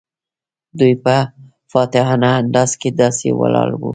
دوی په فاتحانه انداز کې داسې ولاړ وو.